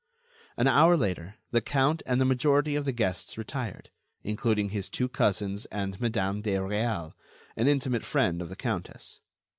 An hour later, the count and the majority of the guests retired, including his two cousins and Madame de Réal, an intimate friend of the countess.